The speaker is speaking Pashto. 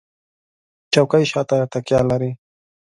چوکۍ شاته تکیه لري.